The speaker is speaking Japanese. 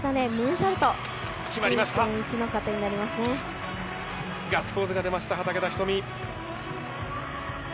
ガッツポーズが出ました、畠田瞳。